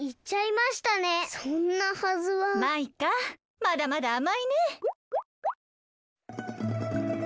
まだまだあまいね！